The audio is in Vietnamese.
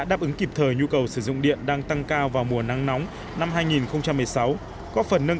đáp ứng kịp thời nhu cầu sử dụng điện đang tăng cao vào mùa nắng nóng năm hai nghìn một mươi sáu có phần nâng